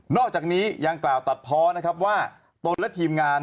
อกจากนี้ยังกล่าวตัดเพาะนะครับว่าตนและทีมงาน